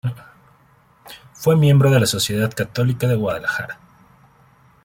Fue miembro de la Sociedad Católica de Guadalajara.